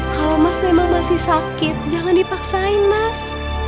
kalau mas memang masih sakit jangan dipaksain mas